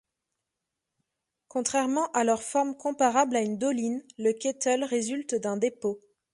Contrairement à leur forme comparable à une doline, le kettle résulte d'un dépôt.